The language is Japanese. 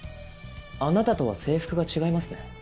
あなたとは制服が違いますね。